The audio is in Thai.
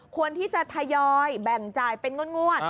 ควรที่จะทยอยแบ่งจ่ายเป็นงวด